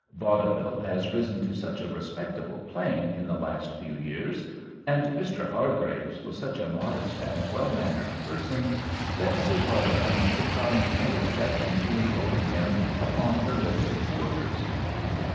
Vaudeville has risen to such a respectable plane in the last few years, and Mr. Hargraves was such a modest and well mannered person, that Mrs. Vardeman could find no objection to enrolling him upon her list of boarders.